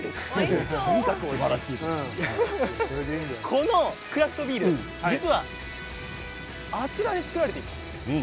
このクラフトビール実はあちらで作られています。